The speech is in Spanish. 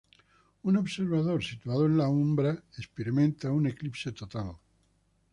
Un observador situado en la umbra experimenta un eclipse total.